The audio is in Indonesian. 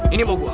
ini mau gue